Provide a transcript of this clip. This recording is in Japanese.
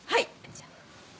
じゃあ。